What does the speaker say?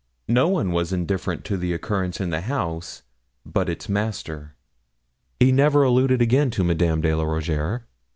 No one was indifferent to the occurrence in the house but its master. He never alluded again to Madame de la Rougierre.